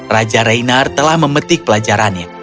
raja reinhard telah memetik pelajarannya